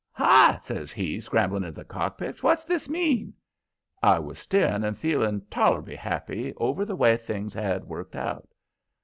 "Hi!" says he, scrambling into the cockpit. "What's this mean?" I was steering and feeling toler'ble happy over the way things had worked out.